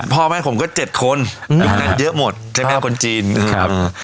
พ่อแม่ผมก็เจ็ดคนยุคนั้นเยอะหมดใช่ไหมคนจีนครับ